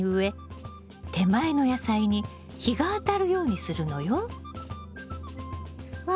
手前の野菜に日が当たるようにするのよ。わ